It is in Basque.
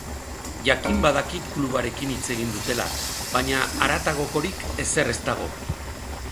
Jakin badakit klubarekin hitz egin dutela, baina haratagokorik ezer ez dago.